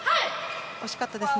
惜しかったですね。